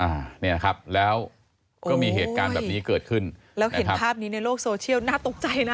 อ่าเนี่ยครับแล้วก็มีเหตุการณ์แบบนี้เกิดขึ้นแล้วเห็นภาพนี้ในโลกโซเชียลน่าตกใจนะ